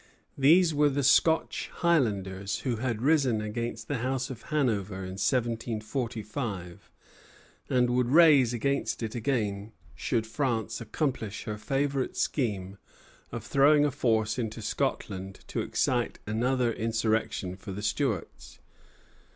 These were the Scotch Highlanders, who had risen against the House of Hanover in 1745, and would rise against it again should France accomplish her favorite scheme of throwing a force into Scotland to excite another insurrection for the Stuarts.